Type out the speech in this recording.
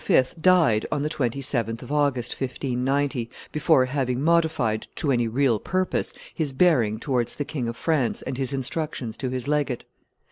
died on the 27th of August, 1590, before having modified, to any real purpose, his bearing towards the King of France and his instructions to his legate.